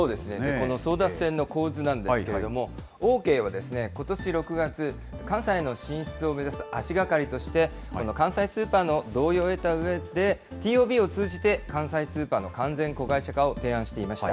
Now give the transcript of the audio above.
この争奪戦の構図なんですけれども、オーケーはことし６月、関西の進出を目指す足がかりとして、この関西スーパーの同意を得たうえで、ＴＯＢを通じて関西スーパーの完全子会社化を提案していました。